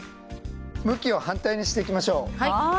向きを反対にしていきましょう。